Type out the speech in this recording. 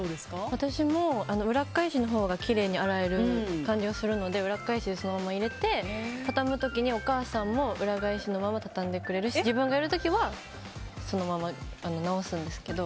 私もう裏っ返しのほうがきれいに洗える感じがするので裏っ返しでそのまま入れてたたむ時に、お母さんも裏返しのまま畳んでくれるし自分がやる時はそのまま直すんですけど。